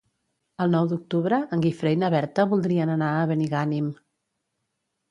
El nou d'octubre en Guifré i na Berta voldrien anar a Benigànim.